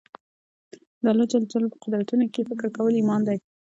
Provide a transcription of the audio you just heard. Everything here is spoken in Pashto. د الله جل جلاله په قدرتونو کښي فکر کول ایمان دئ.